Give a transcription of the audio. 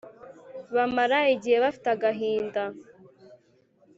Bamara igihe bafite agahinda